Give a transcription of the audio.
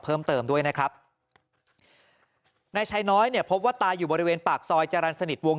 เพิ่มเติมด้วยนะครับนายชายน้อยเนี่ยพบว่าตายอยู่บริเวณปากซอยจรรย์สนิทวง